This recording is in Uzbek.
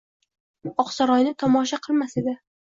Oqsaroyni tomosha qilmas edi.